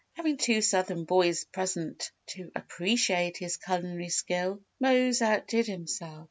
Having two Southern boys present to appreciate his culinary skill, Mose outdid himself.